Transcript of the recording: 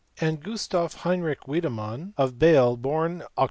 And Oustav Heinrich Wiedemann, of Bale, born Oct.